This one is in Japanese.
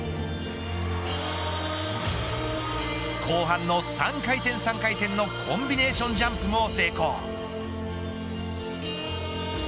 後半の３回転３回転のコンビネーションジャンプも成功。